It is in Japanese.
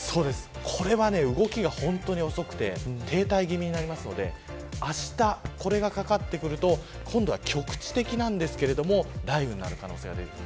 これは動きが本当に遅くて停滞気味になりますので、あしたこれがかかってくると今度は局地的なんですが雷雨になる可能性があります。